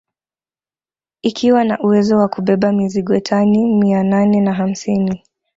Ikiwa na uwezo wa kubeba mizigo tani mia nane na hamsini